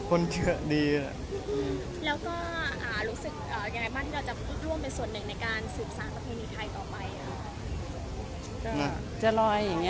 เป็นปีนึงเราไม่เคยเจอค่ะวันนี้บรรยากาศก็เป็นไหนบ้างค่ะในปีนี้